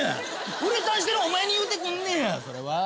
ウレタンしてるお前に言うてくんねやそれは。